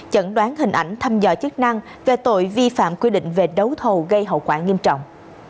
chẩn đoán hình ảnh thăm dò chức năng về tội vi phạm quy định về đấu thầu gây hậu quả nghiêm trọng